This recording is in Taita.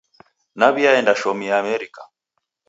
Naw'iaendashomia Amerika.